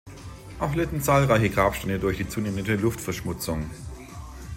Auch litten zahlreiche Grabsteine durch die zunehmende Luftverschmutzung.